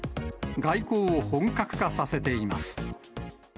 外交を本格化させています。